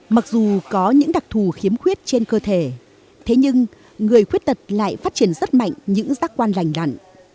mặc dù có những đặc thù khiếm khuyết trên cơ thể thế nhưng người khuyết tật lại phát triển rất mạnh những giác quan lành đặn